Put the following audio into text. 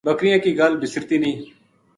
بکریاں کی گل بسرتی نیہہ۔